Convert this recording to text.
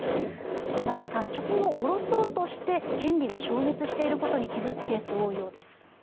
田中さん、貯金を下ろそうとして権利が消滅していることに気付くそうです。